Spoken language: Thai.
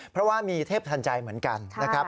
เพราะว่ามีเทพทันใจเหมือนกันนะครับ